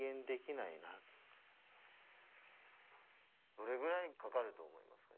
どれくらいかかると思いますか？